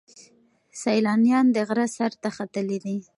سیلانیان د غره سر ته ختلي دي.